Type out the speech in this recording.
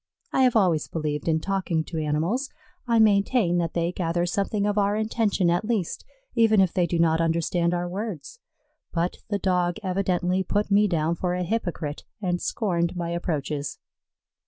I have always believed in talking to animals. I maintain that they gather something of our intention at least, even if they do not understand our words; but the Dog evidently put me down for a hypocrite and scorned my approaches.